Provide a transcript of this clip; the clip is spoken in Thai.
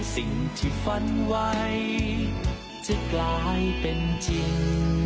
สิ่งที่ฝันไว้จะกลายเป็นจริง